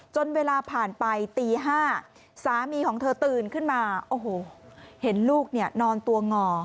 จนเวลาผ่านไปตี๕สามีของเธอตื่นขึ้นมาโอ้โหเห็นลูกนอนตัวงอ